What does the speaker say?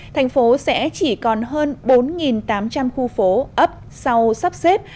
thành phố sẽ chỉ còn hơn bốn tám trăm linh khu phố ấp sau sắp xếp